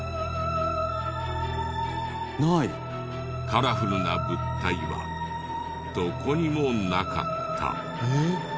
カラフルな物体はどこにもなかった。